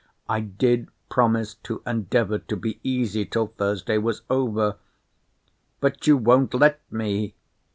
—I did promise to endeavour to be easy till Thursday was over! But you won't let me!